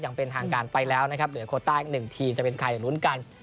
อย่างเป็นทางการไปแล้วนะครับเหลือโคต้าอีกหนึ่งทีมจะเป็นใครลุ้นกัน